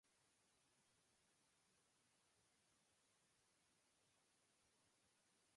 In recent decades, winters have been exceptionally arid.